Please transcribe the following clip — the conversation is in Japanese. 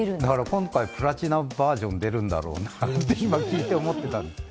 今回、プラチナバージョンが出るんだろうなと聞いてて思ったんです。